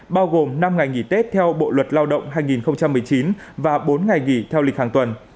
bao gồm năm ngày nghỉ tết theo bộ luật lao động hai nghìn một mươi chín và bốn ngày nghỉ theo lịch hàng tuần